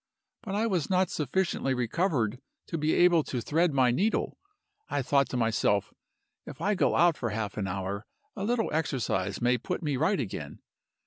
But I was not sufficiently recovered to be able to thread my needle. I thought to myself, 'If I go out for half an hour, a little exercise may put me right again.